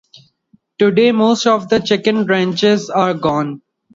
Today, most of the chicken ranches are gone.